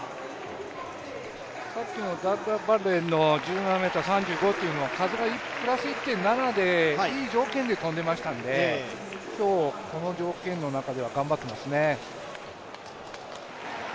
さっきのダッラバッレの１７ｍ２５というのは風がプラス１．７でいい条件で跳んでましたんで今日、この条件の中では頑張っていますね。